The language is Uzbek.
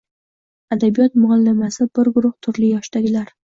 Adabiyot muallimasi bir guruh turli yoshdagilar.